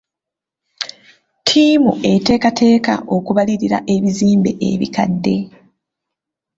Ttiimu eteekateeka okubalirira ebizimbe ebikadde.